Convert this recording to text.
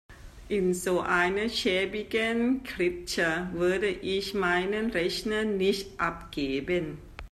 In so einer schäbigen Klitsche würde ich meinen Rechner nicht abgeben.